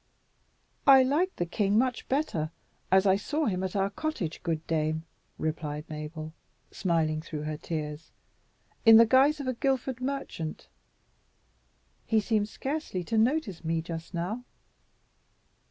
"I liked the king much better as I saw him at our cottage, good dame," replied Mabel, smiling through her tears, "in the guise of a Guildford merchant. He seemed scarcely to notice me just now."